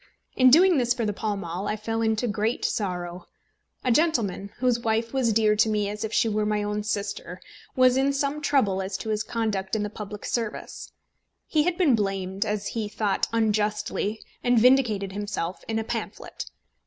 In doing this for the Pall Mall, I fell into great sorrow. A gentleman, whose wife was dear to me as if she were my own sister, was in some trouble as to his conduct in the public service. He had been blamed, as he thought unjustly, and vindicated himself in a pamphlet.